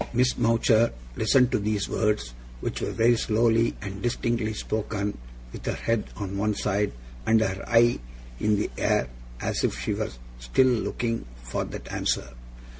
Miss Mowcher listened to these words, which were very slowly and distinctly spoken, with her head on one side, and her eye in the air as if she were still looking for that answer.